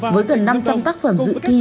với gần năm trăm linh tác phẩm dự thi